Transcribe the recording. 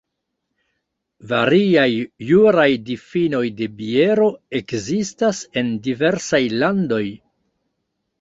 Variaj juraj difinoj de biero ekzistas en diversaj landoj.